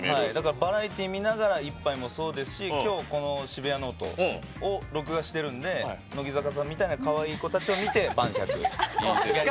バラエティー見ながら１杯もそうですし「シブヤノオト」を録画してるんで乃木坂さんみたいなかわいい子たちを見て晩酌。